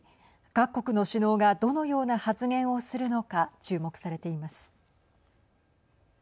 各国の首脳がどのような発言をするのか注目されています。